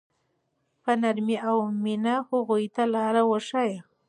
په نرمۍ او مینه هغوی ته لاره وښایئ.